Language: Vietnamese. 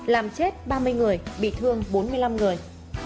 làm chết ba mươi người bị thương bốn mươi năm người